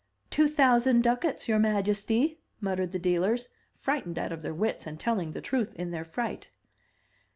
"Two thousand ducats, your majesty," muttered the dealers, frightened out of their wits, and telling the truth in their fright.